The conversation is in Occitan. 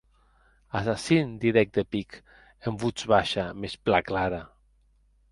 Assassin, didec de pic, en votz baisha mès plan clara.